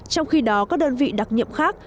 trong khi đó các đơn vị đặc nhiệm khác